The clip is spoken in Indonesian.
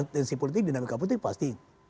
tensi politik di nabi kapoliti pasti